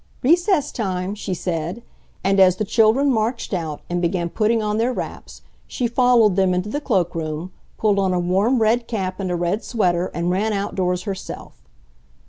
"Recess time," she said, and as the children marched out and began putting on their wraps she followed them into the cloak room, pulled on a warm, red cap and a red sweater, and ran outdoors herself.